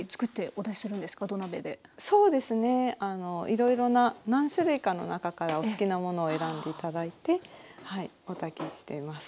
いろいろな何種類かの中からお好きなものを選んで頂いてお炊きしています。